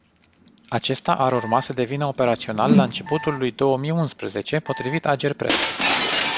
Acesta ar urma să devină operațional la începutul lui două mii unsprezece, potrivit Agerpres.